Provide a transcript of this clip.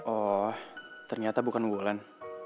oh ternyata bukan wulan